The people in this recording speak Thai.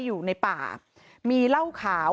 อยู่ในป่ามีเหล้าขาว